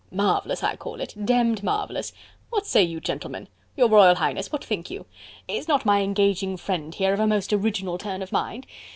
Marvellous, I call it... demmed marvellous.... What say you, gentlemen?... Your Royal Highness, what think you?... Is not my engaging friend here of a most original turn of mind....